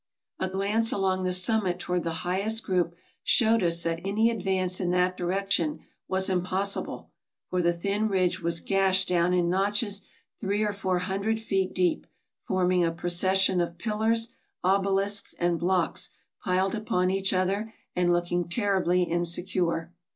A glance along the summit toward the highest group showed us that any advance in that direction was impossible, for the thin ridge was gashed down in notches three or four hundred feet deep, forming a procession of pillars, obelisks, and blocks piled upon each other, and looking terribly insecure.